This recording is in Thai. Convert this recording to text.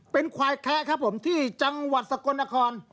เป็นควายแคะครับผมที่จังหวัดสกลนคร